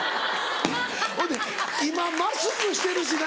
ほいで今マスクしてるしな。